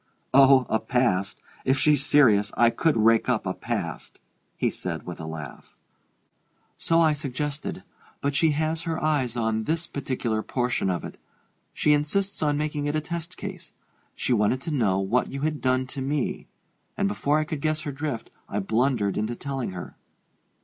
"Oh, a past if she's serious I could rake up a past!" he said with a laugh. "So I suggested: but she has her eyes on his particular portion of it. She insists on making it a test case. She wanted to know what you had done to me; and before I could guess her drift I blundered into telling her."